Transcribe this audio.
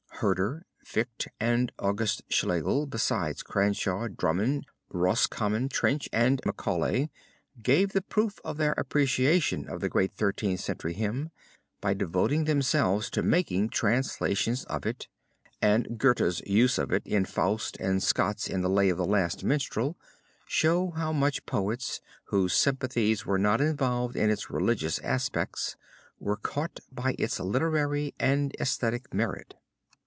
Herder, Fichte and August Schlegel besides Crashaw, Drummond, Roscommon, Trench and Macaulay gave the proof of their appreciation of the great Thirteenth Century hymn by devoting themselves to making translations of it, and Goethe's use of it in Faust and Scott's in the Lay of the Last Minstrel, show how much poets, whose sympathies were not involved in its religious aspects, were caught by its literary and esthetic merit.